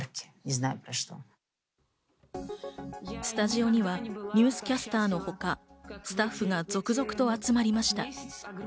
スタジオにはニュースキャスターのほかスタッフが続々と集まりました。